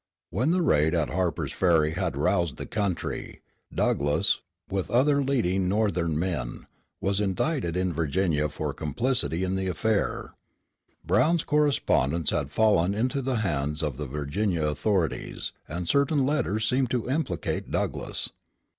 When the raid at Harpers Ferry had roused the country, Douglass, with other leading Northern men, was indicted in Virginia for complicity in the affair. Brown's correspondence had fallen into the hands of the Virginia authorities, and certain letters seemed to implicate Douglass.